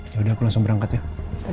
yaudah aku langsung berangkat ya